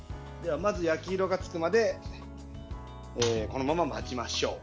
まず、焼き色がつくまでこのまま待ちましょう。